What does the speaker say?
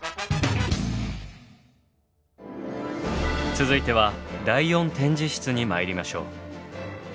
続いては第４展示室に参りましょう。